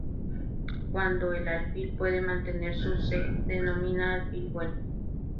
Cuando el alfil puede mantener su se denomina alfil bueno.